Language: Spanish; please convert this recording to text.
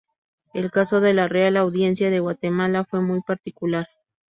El caso de la Real Audiencia de Guatemala fue muy particular.